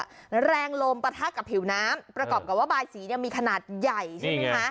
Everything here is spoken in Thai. แรงลมปะทะกับผิวน้ำประกอบกับว่าบายสีเนี่ยมีขนาดใหญ่ใช่ไหมคะ